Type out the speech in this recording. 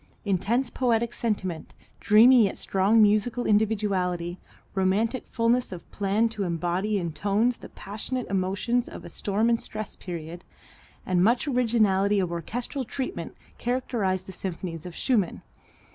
Intense poetic sentiment, dreamy yet strong musical individuality, romantic fulness of plan to embody in tones the passionate emotions of a storm and stress period, and much originality of orchestral treatment characterize the symphonies of Schumann.